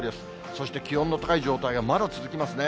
そして気温の高い状態がまだ続きますね。